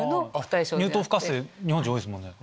乳糖不耐性日本人多いですよね。